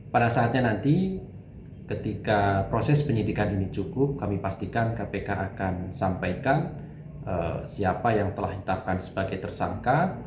pada saatnya nanti ketika proses penyidikan ini cukup kami pastikan kpk akan sampaikan siapa yang telah ditetapkan sebagai tersangka